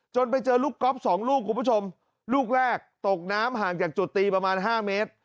ไปเจอลูกก๊อฟสองลูกคุณผู้ชมลูกแรกตกน้ำห่างจากจุดตีประมาณ๕เมตร